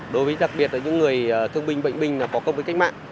đối với đặc biệt là những người thương binh bệnh binh có công với cách mạng